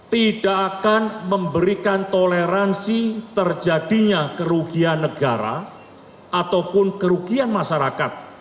tidak akan memberikan toleransi terjadinya kerugian negara ataupun kerugian masyarakat